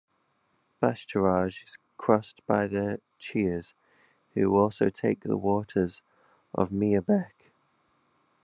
Bascharage is crossed by the Chiers who also take the waters of Mierbech.